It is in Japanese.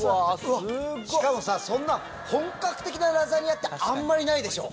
そんな本格的なラザニアってあんまりないでしょ。